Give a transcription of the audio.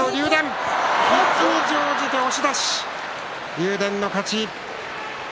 竜電の勝ち。